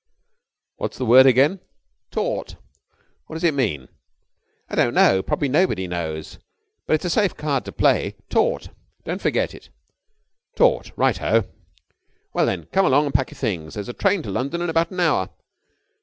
"What's the word again?" "Tort." "What does it mean?" "I don't know. Probably nobody knows. But it's a safe card to play. Tort. Don't forget it." "Tort. Right ho!" "Well, then, come along and pack your things. There's a train to London in about an hour."